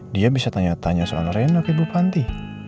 dia bisa tanya tanya soal ren oke bu panti